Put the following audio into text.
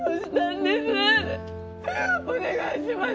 お願いします。